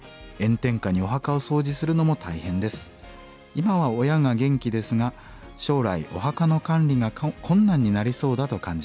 今は親が元気ですが将来お墓の管理が困難になりそうだと感じました。